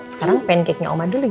sekarang pancake nya oma dulu